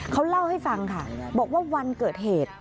เขาเล่าให้ฟังค่ะบอกว่าวันเกิดเหตุ